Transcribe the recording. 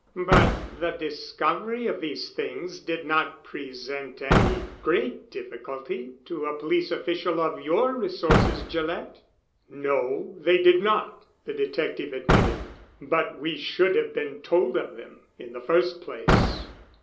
"But the discovery of these things did not present any great difficulty to a police official of your resources, Gillett." "No, they did not," the detective admitted. "But we should have been told of them in the first place."